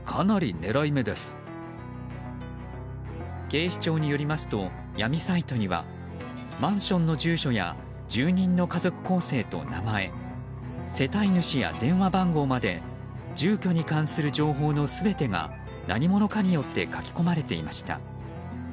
警視庁によりますと闇サイトにはマンションの住所や住人の家族構成と名前世帯主や電話番号まで住居に関する情報の全てが何者かによって書き込まれていました。